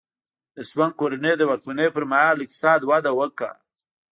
د سونګ کورنۍ د واکمنۍ پرمهال اقتصاد وده وکړه.